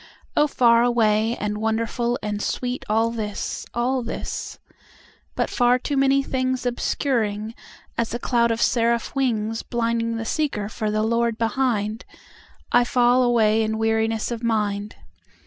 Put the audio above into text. Oh, far away and wonderful and sweetAll this, all this. But far too many thingsObscuring, as a cloud of seraph wingsBlinding the seeker for the Lord behind,I fall away in weariness of mind.